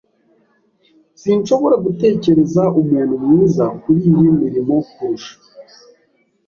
Sinshobora gutekereza umuntu mwiza kuriyi mirimo kurusha .